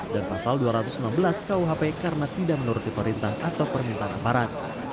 dan pasal dua ratus enam belas kuhp karena tidak menuruti perintah atau permintaan amaran